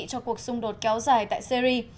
cho cuộc xung đột kéo dài tại syri